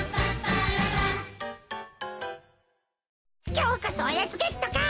きょうこそおやつゲットか。